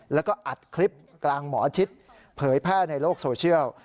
แล้วก็อัดคลิปกลางหมอชิดเผยแพร่ในโลกโซเชียล